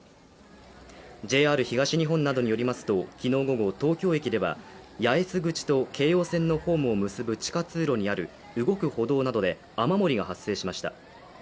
ＪＲ東日本などによりますと昨日午後、東京駅では八重洲口と京葉線のホームを結ぶ地下通路にある動く歩道などで雨漏りが発生しました。